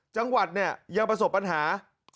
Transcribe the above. จังหวัดเนี่ยยังประสบปัญหา